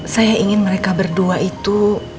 saya ingin mereka berdua itu